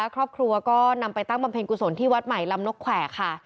ครอบครัวก็นำไปตั้งบำเพ็ญกุศลที่วัดใหม่ลำนกแขวค่ะ